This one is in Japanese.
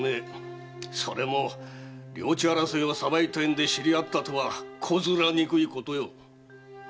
それも領地争いを裁いた縁で知り合ったとは小面憎いことよ。